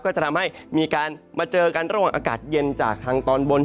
ก็จะทำให้มีการมาเจอกันระหว่างอากาศเย็นจากทางตอนบน